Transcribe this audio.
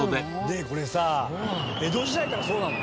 ねえこれさ江戸時代からそうなの？